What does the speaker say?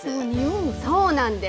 そうなんです。